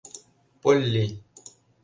Полли...